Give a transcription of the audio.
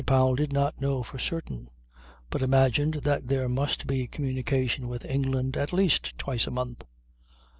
Powell did not know for certain but imagined that there must be communication with England at least twice a month.